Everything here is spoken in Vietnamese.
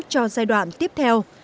cho giai đoạn tiếp theo